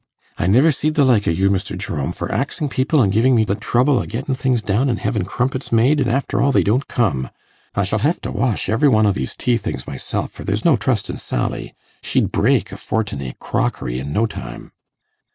I niver see'd the like o' you, Mr. Jerome, for axin' people an' givin' me the trouble o' gettin' things down an' hevin' crumpets made, an' after all they don't come. I shall hev to wash every one o' these tea things myself, for there's no trustin' Sally she'd break a fortin i' crockery i' no time!